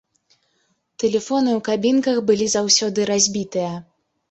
Тэлефоны ў кабінках былі заўсёды разбітыя.